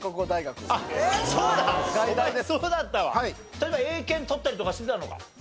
例えば英検取ったりとかしてたのか？